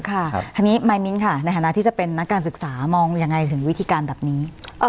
ค่ะทีนี้มายมิ้นค่ะในฐานะที่จะเป็นนักการศึกษามองยังไงถึงวิธีการแบบนี้